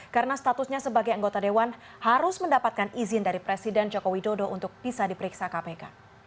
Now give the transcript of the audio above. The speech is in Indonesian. karena statusnya sebagai anggota dewan harus mendapatkan izin dari presiden joko widodo untuk bisa diperiksa kpk